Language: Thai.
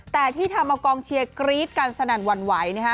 แต่ที่ทำเอากองเชียร์กรี๊ดกันสนั่นหวั่นไหวนะฮะ